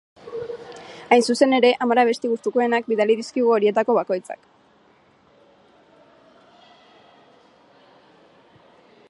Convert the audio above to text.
Hain zuzen ere, hamar abesti gustukoenak bidali dizkigu horietako bakoitzak.